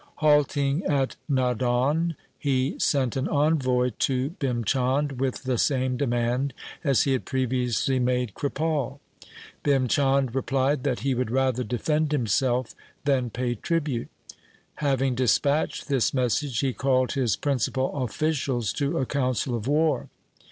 Halting at Nadaun he sent an envoy to Bhim Chand with the same demand as he had previously made Kripal. Bhim Chand replied that he would rather defend himself than pay tribute. Having dispatched this message he called his prin cipal officials to a council of war.